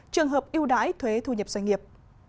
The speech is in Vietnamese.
trường hợp ưu đãi thuế thu nhập doanh nghiệp